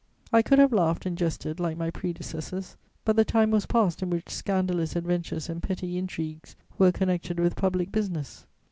I could have laughed and jested like my predecessors, but the time was past in which scandalous adventures and petty intrigues were connected with public business.